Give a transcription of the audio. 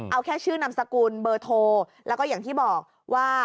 เอาแค่ชื่อนามสกุลเบอร์โทรแล้วก็อย่างที่บอกว่า